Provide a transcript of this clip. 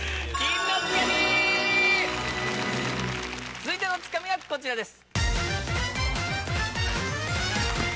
続いてのツカミはこちらです。